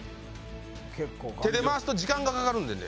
手で回すと時間がかかるんでね。